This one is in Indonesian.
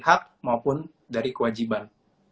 hak maupun dari kewajiban